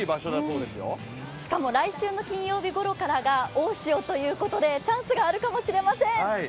しかも来週の金曜日ごろからが大潮ということでチャンスがあるかもしれません。